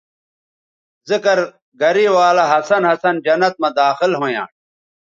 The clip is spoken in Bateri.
ذکر گرے ولہ ہسن ہسن جنت مہ داخل ھویانݜ